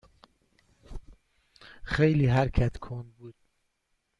خیلی حرکت کند بود.